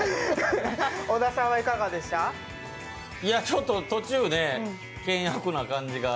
ちょっと途中ね、険悪な感じが。